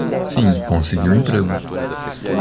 Sim, consegui um emprego.